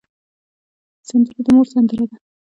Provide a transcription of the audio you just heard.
سندره د مور سندره ده